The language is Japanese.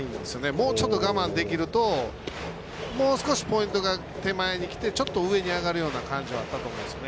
もうちょっと我慢できるともう少しポイントが手前にきてちょっと上に上がるような感じがあったと思いますね。